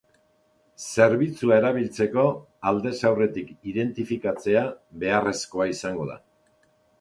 Zerbitzua erabiltzeko aldez aurretik identifikatzea beharrezkoa izango da.